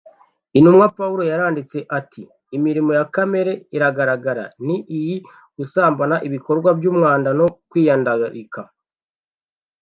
intumwa pawulo yaranditse ati imirimo ya kamere iragaragara ni iyi gusambana ibikorwa by umwanda no kwiyandarika